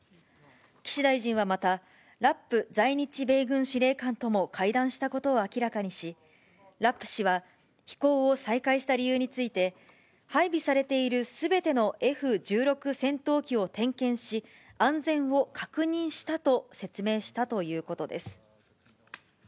岸大臣はまた、ラップ在日米軍司令官とも会談したことを明らかにし、ラップ氏は、飛行を再開した理由について、配備されているすべてのＦ１６戦闘機を点検し、安全を確認したと説明したということです。